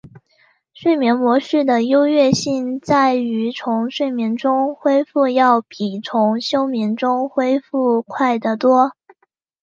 睡眠模式的优越性在于从睡眠中恢复要比从休眠中恢复快得多。